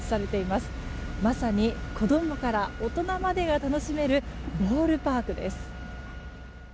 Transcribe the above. まさに子供から大人までが楽しめるボールパークです。